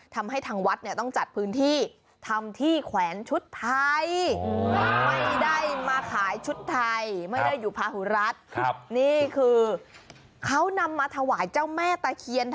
ทำให้ทางวัดต้องจัดพื้นที่ทำที่แขวนชุดไทย